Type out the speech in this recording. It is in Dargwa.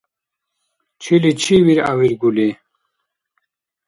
Чили чи виргӏявиргули?